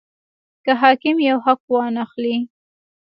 که حاکم یو حق وانه خلي.